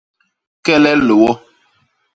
Kelel liwo.